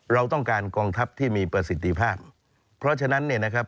เราต้องการกองทัพที่มีประสิทธิภาพเพราะฉะนั้นเนี่ยนะครับ